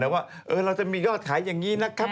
ว่าเราจะมียอดขายอย่างนี้นะครับ